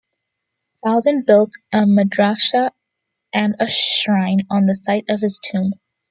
Saladin built a madrassah and a shrine on the site of his tomb.